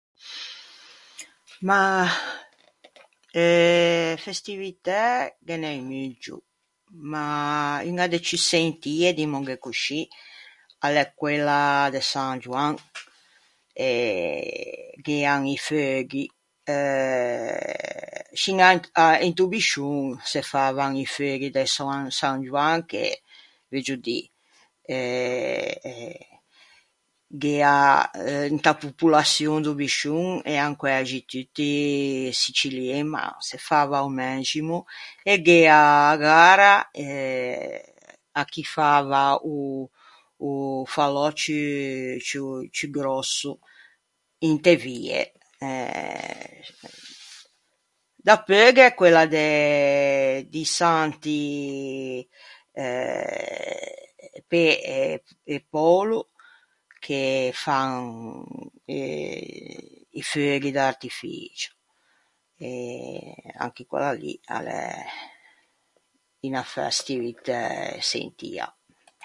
Mah eh festivitæ ghe n’é un muggio, ma uña de ciù sentie, dimmoghe coscì, a l’é quella de San Gioan, e gh’ean i feughi eh sciña à into Biscion se favan i feughi de soan de San Gioan che veuggio dî eh gh‘ea euh inta popolaçion do Biscion ean quæxi tutti sicilien ma se fava o mæximo e gh’ea a gara eh à chi fava o o falò ciù ciù ciù gròsso inte vie eh. Dapeu gh’é quella de di Santi eh beh Poulo, che fan eh i feughi d’artificio, e anche quella lì a l’é unna festivitæ sentia.